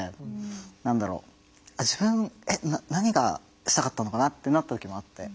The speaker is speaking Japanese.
何だろう自分えっ何がしたかったのかなってなった時もあって。